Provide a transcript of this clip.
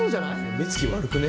目つき悪くね？